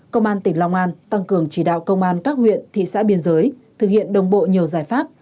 công an tỉnh long an tăng cường chỉ đạo công an các huyện thị xã biên giới thực hiện đồng bộ nhiều giải pháp